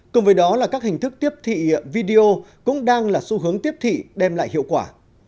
cùng với đó là các hình thức tiếp thị video cũng đang là xu hướng tiếp thị đem lại hiệu quả